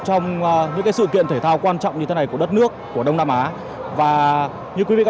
trong những sự kiện thể thao quan trọng như thế này của đất nước của đông nam á và như quý vị các